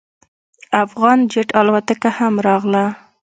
افغان جیټ الوتکه هم راغله.